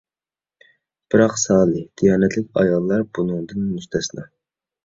بىراق سالىھ، دىيانەتلىك ئاياللار بۇنىڭدىن مۇستەسنا.